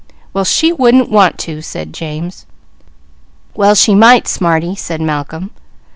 "Well she wouldn't want to!" said James. "Well she might, smarty," said Malcolm.